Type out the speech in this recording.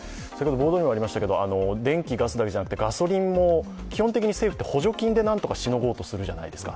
ボードにもありましたが、電気ガスだけじゃなくてガソリンも基本的に政府は補助金でしのごうとするじゃないですか。